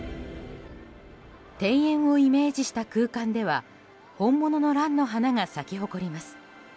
庭園をイメージした空間では本物のランの花が咲き誇ります。